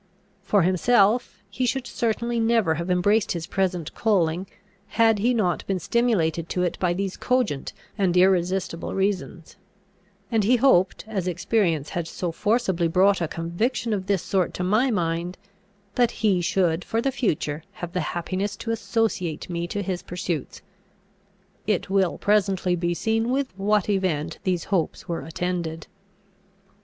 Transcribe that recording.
For himself, he should certainly never have embraced his present calling, had he not been stimulated to it by these cogent and irresistible reasons; and he hoped, as experience had so forcibly brought a conviction of this sort to my mind, that he should for the future have the happiness to associate me to his pursuits. It will presently be seen with what event these hopes were attended.